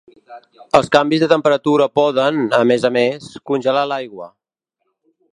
Els canvis de temperatura poden, a més a més, congelar l'aigua.